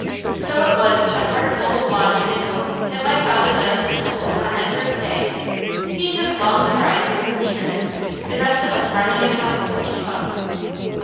So it was with a heart full of longing and hope that my father led us to school on that first day. He took long strides in his eagerness, the rest of us running and hopping to keep up.